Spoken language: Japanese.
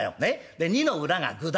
で二の裏が五だ。